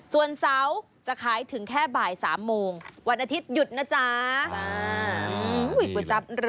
ส่วนเสาร์จะขายถึงแค่บ่าย๓โมงวันอาทิตยุดนะจ๊ะ